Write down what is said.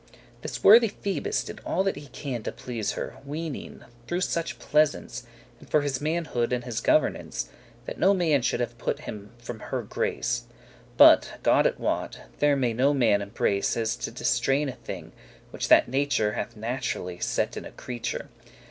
This worthy Phoebus did all that he can To please her, weening, through such pleasance, And for his manhood and his governance, That no man should have put him from her grace; But, God it wot, there may no man embrace As to distrain* a thing, which that nature *succeed in constraining Hath naturally set in a creature.